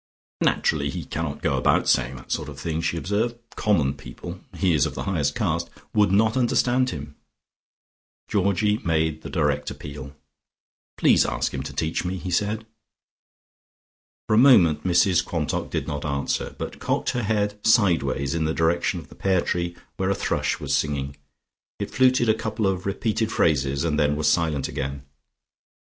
"Naturally he cannot go about saying that sort of thing," she observed. "Common people he is of the highest caste would not understand him." Georgie made the direct appeal. "Please ask him to teach me," he said. For a moment Mrs Quantock did not answer, but cocked her head sideways in the direction of the pear tree where a thrush was singing. It fluted a couple of repeated phrases and then was silent again.